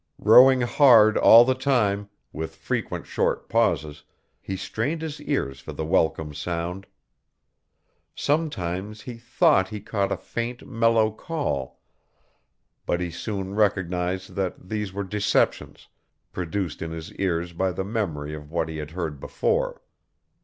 Rowing hard all the time, with frequent short pauses, he strained his ears for the welcome sound. Sometimes he thought he caught a faint, mellow call; but he soon recognized that these were deceptions, produced in his ears by the memory of what he had heard before.